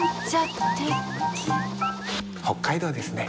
北海道ですね。